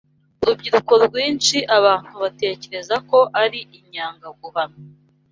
Urubyiruko rwinshi abantu batekereza ko ari inyangaguhanwa